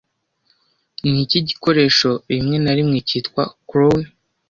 Niki gikoresho rimwe na rimwe cyitwa clown